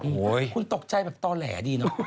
โอ้โหคุณตกใจแบบต่อแหลดีเนอะ